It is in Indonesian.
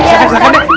silahkan silahkan ya